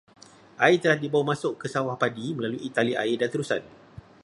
Air telah dibawa masuk ke sawah padi melalui tali air dan terusan.